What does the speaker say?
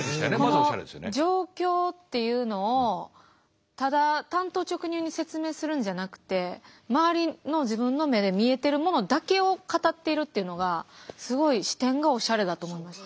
この状況っていうのをただ単刀直入に説明するんじゃなくて周りの自分の目で見えてるものだけを語っているっていうのがすごい視点がおしゃれだと思いました。